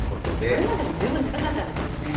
これまでも十分高かったんですけどね。